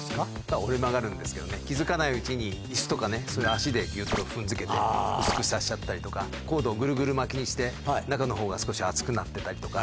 折れ曲がるんですけどね、気付かないうちに、いすとかね、そういう脚でぎゅっと踏んづけて、させちゃったりとか、コードをぐるぐる巻きにして、中のほうが少し熱くなってたりとか。